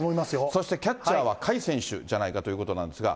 そしてキャッチャーは甲斐選手じゃないかということなんですが。